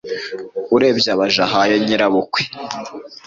arebye abaja ahaye nyirabukwe